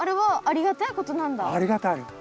ありがたい。